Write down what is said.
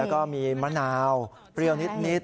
แล้วก็มีมะนาวเปรี้ยวนิด